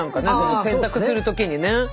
洗濯する時にね。